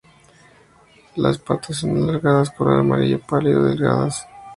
Las patas son alargadas, color amarillo pálido, delgadas.